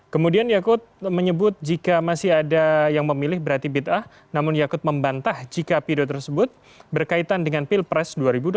kemudian yakut menyebut jika masih ada yang memilih berarti ⁇ itah namun yakut membantah jika pidato tersebut berkaitan dengan pilpres dua ribu dua puluh